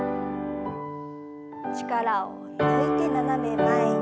力を抜いて斜め前に。